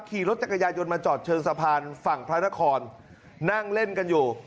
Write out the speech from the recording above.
ขี่รถจักรยายนมาจอดเชิงสะพานฝั่งพระนครนั่งเล่นกันอยู่